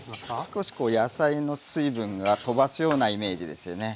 少しこう野菜の水分がとばすようなイメージですよね。